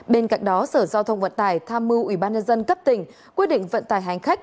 bên cạnh đó sở giao thông vận tải tham mưu ủy ban nhân dân cấp tỉnh quyết định vận tải hành khách